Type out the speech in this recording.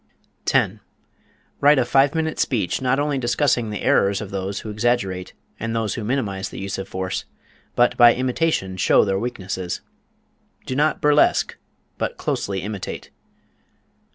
10. Write a five minute speech not only discussing the errors of those who exaggerate and those who minimize the use of force, but by imitation show their weaknesses. Do not burlesque, but closely imitate.